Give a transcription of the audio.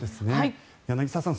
柳澤さん